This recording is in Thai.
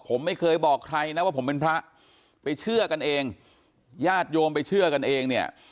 ผมไม่เคยบอกใครนะว่าผมเป็นพระไปเชื่อกันเองญาติโยมไปเชื่อกันเองเนี่ย